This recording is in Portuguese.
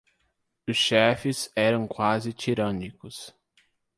Os chefes eram quase tirânicos.